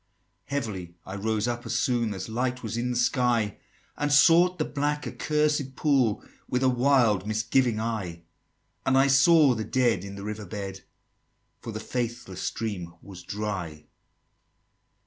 XXVIII. "Heavily I rose up, as soon As light was in the sky, And sought the black accursed pool With a wild misgiving eye; And I saw the Dead in the river bed, For the faithless stream was dry."